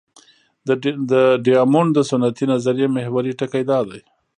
د ډیامونډ د سنتي نظریې محوري ټکی دا دی.